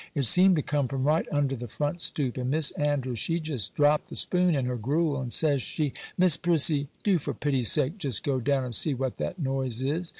It seemed to come from right under the front stoop; and Miss Andrews, she just dropped the spoon in her gruel, and says she, "Miss Prissy, do for pity's sake just go down and see what that noise is."